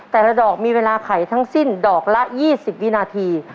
แต่ละดอกมีเวลาไขทั้งสิ้นดอกละ๒๐วินาที